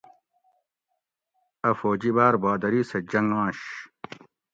اَ فوجی باۤر بھادری سہ جنگوںش